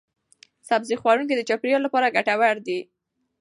سبزي خوړونکي د چاپیریال لپاره ګټور دي.